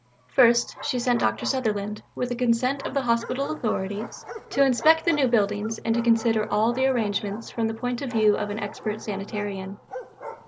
First, she sent Dr. Sutherland with the consent of the hospital authorities to inspect the new buildings and to consider all the arrangements from the point of view of an expert sanitarian.